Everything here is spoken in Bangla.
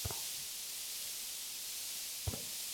মক্কায় এসেছে বেশ ভাল কথা।